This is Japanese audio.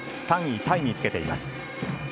３位タイにつけています。